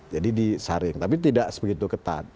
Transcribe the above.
jadi disaring tapi tidak sebegitu ketat